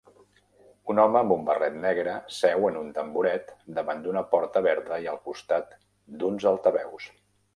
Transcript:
Un home amb un barret negre seu en un tamboret davant d'una porta verda i al costat d'uns altaveus.